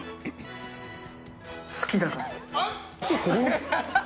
好きだから。